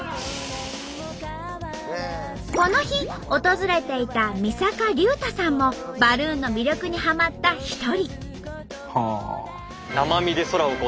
この日訪れていた三坂隆太さんもバルーンの魅力にはまった一人。